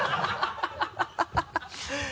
ハハハ